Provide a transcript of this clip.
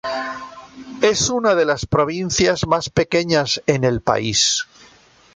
Es una de las provincias más pequeñas en el país.